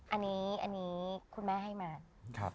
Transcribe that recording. อันนี้อันนี้คุณแม่ให้มา